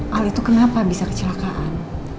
hal itu kenapa bisa kecelakaan